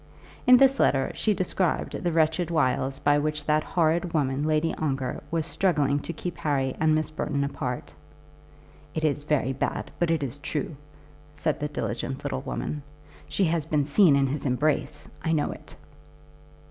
In this letter she described the wretched wiles by which that horrid woman Lady Ongar was struggling to keep Harry and Miss Burton apart. "It is very bad, but it is true," said the diligent little woman. "She has been seen in his embrace; I know it."